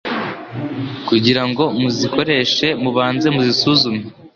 kugira ngo muzikoreshe mubanze muzisuzume